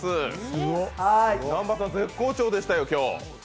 南波さん、絶好調でしたよ、今日。